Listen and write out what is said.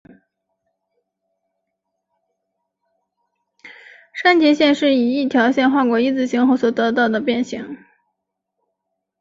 删节线是以一条线划过一字形后所得的变型。